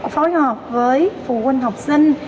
phối hợp với phụ huynh học sinh